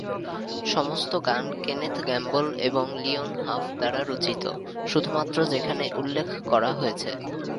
সমস্ত গান Kenneth Gamble এবং লিওন হাফ দ্বারা রচিত; শুধুমাত্র যেখানে উল্লেখ করা হয়েছে।